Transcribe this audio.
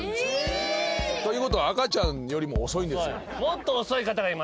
ということは赤ちゃんよりも遅いんですよ。